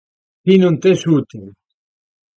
Ti non tes útero.